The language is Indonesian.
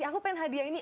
aku pengen hadiah ini